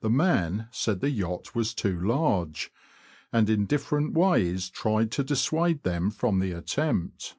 The man said the yacht was too large, and in different ways tried to dissuade them from the attempt.